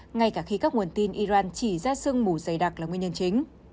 ngay cả khi các nguồn tin iran chỉ ra sương mù dày đặc là nguyên nhân chính